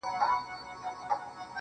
سم لكه ماهى يو سمندر تر ملا تړلى يم.